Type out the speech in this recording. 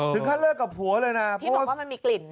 เลิกกับผัวเลยนะเพราะว่ามันมีกลิ่น